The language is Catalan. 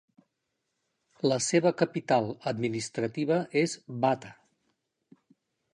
La seva capital administrativa és Bata.